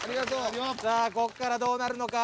さあこっからどうなるのか。